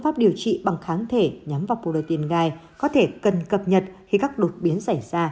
pháp điều trị bằng kháng thể nhắm vào protein gai có thể cần cập nhật khi các đột biến xảy ra